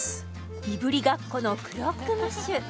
いぶりがっこのクロックムッシュ